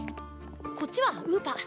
こっちはウーパ。